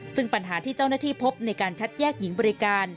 ซึ่งปัญหาที่เจ้าหน้าที่พบในการคัดแยกหญิงบริการ